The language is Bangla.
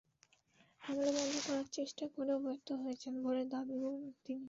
হামলা বন্ধ করার চেষ্টা করেও ব্যর্থ হয়েছেন বলে দাবি করেন তিনি।